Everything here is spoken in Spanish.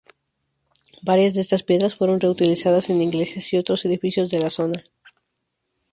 Varias de estas piedras fueron reutilizadas en iglesias y otros edificios de la zona.